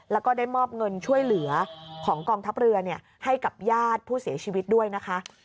แล้วก็ได้มอบเงินช่วยเหลือของกองทัพเรือให้กับญาติผู้เสียชีวิตด้วยนะคะ